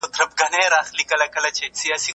مګر، پرته له هیڅ ډول مبالغې